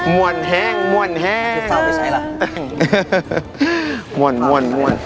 มีอะไรให้เล่นบ้างนะ